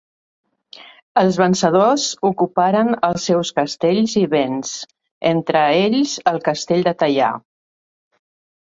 Els vencedors ocuparen els seus castells i béns, entre ells el castell de Taià.